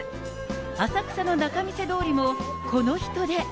浅草の仲見世通りもこの人出。